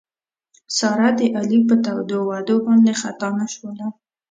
ساره د علي په تودو وعدو باندې خطا نه شوله.